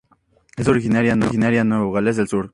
Es originaria Nueva Gales del Sur.